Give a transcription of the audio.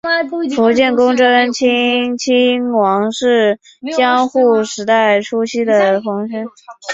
伏见宫贞清亲王是江户时代初期的皇族。